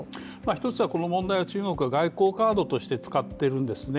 一つはこの問題が中国は外交カードとして使ってるんですね。